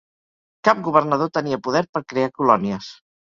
Cap governador tenia poder per crear colònies.